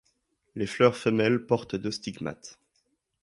Les fleurs femelles portent deux stigmates.